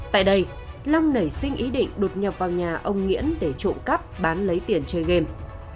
tại đây long nảy sinh ý định đột nhập vào nhà ông nguyễn để trộm cắp bán lấy tiền chơi game